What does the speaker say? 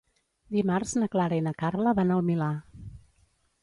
Dimarts na Clara i na Carla van al Milà.